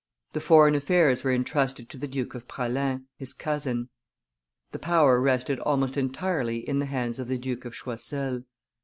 The foreign affairs were intrusted to the Duke of Praslin, his cousin. The power rested almost entirely in the hands of the Duke of Choiseul.